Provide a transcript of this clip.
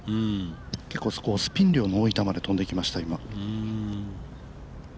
結構、スピン量の多い球で飛んできました。